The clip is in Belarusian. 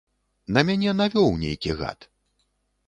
На мяне навёў нейкі гад.